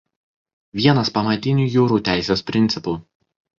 Vienas pamatinių jūrų teisės principų.